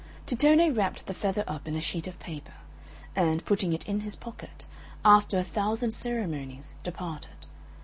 Tittone wrapped the feather up in a sheet of paper, and, putting it in his pocket, after a thousand ceremonies departed.